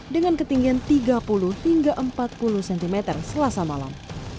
dengan ketinggian tiga puluh hingga empat puluh cm selasa malam